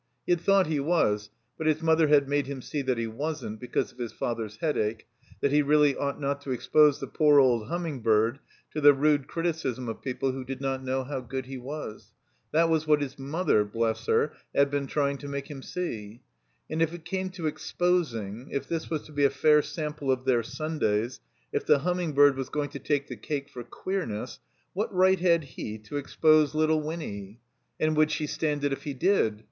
He had thought he was, but his mother had made him see that he wasn't, because of his father's Headache; that he really ought not to expose the poor old Humming bird to the rude criticism of people who did not know how good he was. That was what his mother, bless her! had been trjdng to make him see. And if it came to exposing, if this was to be a fair sample of their Sundays, if the Hiunming bird was going to take the cake for queemess, what right had he to expose little Winny? And would she stand it if he did